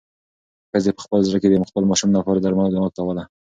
ښځې په خپل زړه کې د خپل ماشوم لپاره د درملو دعا کوله.